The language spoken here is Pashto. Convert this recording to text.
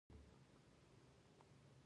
دلته یې څه کول ؟